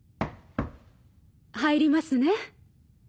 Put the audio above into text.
入りますね。